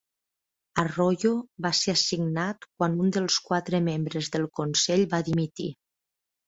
Arroyo va ser assignat quan un dels quatre membres del consell va dimitir.